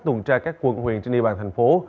tùn tra các quận huyền trên địa bàn thành phố